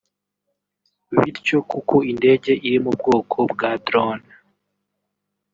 Bityo kuko indege iri mu bwoko bwa drones